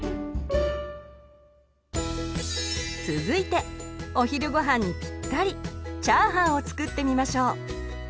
続いてお昼ごはんにピッタリチャーハンを作ってみましょう。